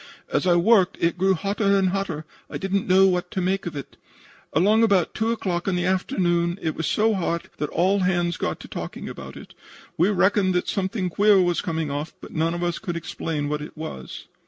As I worked it grew hotter and hotter. I didn't know what to make of it. Along about 2 o'clock in the afternoon it was so hot that all hands got to talking about it. We reckoned that something queer was coming off, but none of us could explain what it was.